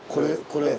これ。